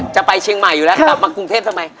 จะไปเชียงใหม่อยู่แล้วกลับมากรุงเทพทำไม